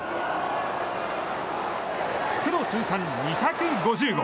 プロ通算２５０号。